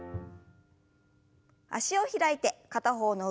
脚を開いて片方の腕を上に。